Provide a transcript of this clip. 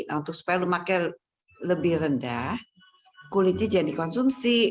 nah untuk supaya lemaknya lebih rendah kulitnya jangan dikonsumsi